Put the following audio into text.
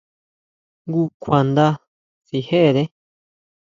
Jngu kjuanda sijere.